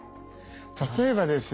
例えばですね。